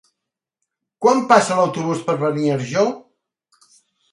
Quan passa l'autobús per Beniarjó?